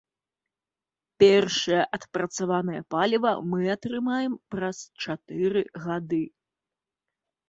Першае адпрацаванае паліва мы атрымаем праз чатыры гады.